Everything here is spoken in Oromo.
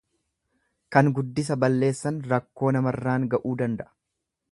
Kan guddisa balleessan rakkoo namarraan ga'uu danda'a.